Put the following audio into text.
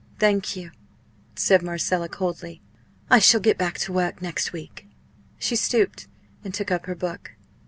thank you," said Marcella, coldly, "I shall get back to work next week." She stooped and took up her book.